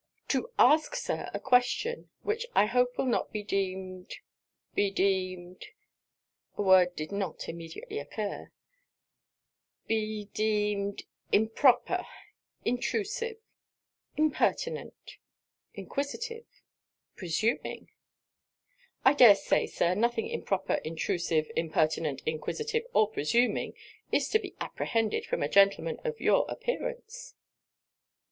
'To ask, Sir, a question, which I hope will not be deemed be deemed ' (a word did not immediately occur) 'be deemed improper intrusive impertinent inquisitive presuming ' 'I dare say, Sir, nothing improper, intrusive, impertinent, inquisitive, or presuming, is to be apprehended from a gentleman of your appearance.'